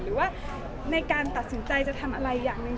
หรือว่าในการตัดสินใจจะทำอะไรอย่างหนึ่ง